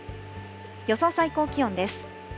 予想最高気温です。